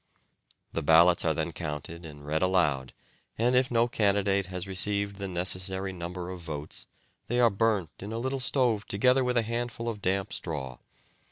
The ballots are then counted and read aloud, and if no candidate has received the necessary number of votes, they are burnt in a little stove together with a handful of damp straw.